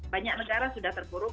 banyak negara sudah terpuruk